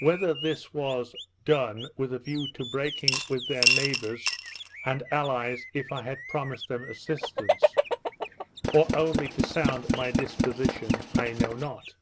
Whether this was done with a view of breaking with their neighbours and allies if I had promised them assistance, or only to sound my disposition, I know not.